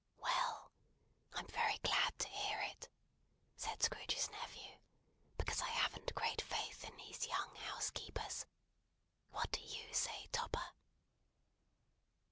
"Well! I'm very glad to hear it," said Scrooge's nephew, "because I haven't great faith in these young housekeepers. What do you say, Topper?"